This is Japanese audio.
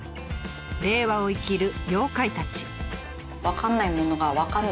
令和を生きる妖怪たち。